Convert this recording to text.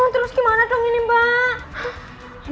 terus gimana kang ini mbak